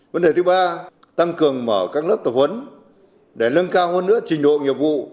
vấn đề thứ ba tăng cường mở các lớp tập huấn để lưng cao hơn nữa trình độ nghiệp vụ